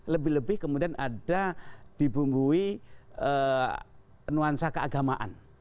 lebih lebih kemudian ada dibumbui nuansa keagamaan